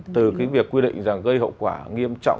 từ cái việc quy định rằng gây hậu quả nghiêm trọng